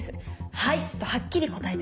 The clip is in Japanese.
「はい」とはっきり答えて。